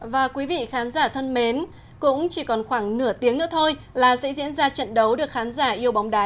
và quý vị khán giả thân mến cũng chỉ còn khoảng nửa tiếng nữa thôi là sẽ diễn ra trận đấu được khán giả yêu bóng đá